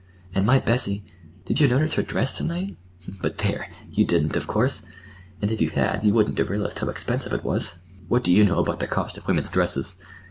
And my Bessie—did you notice her dress to night? But, there! You didn't, of course. And if you had, you wouldn't have realized how expensive it was. What do you know about the cost of women's dresses?"